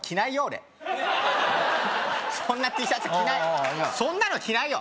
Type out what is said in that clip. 俺そんなＴシャツ着ない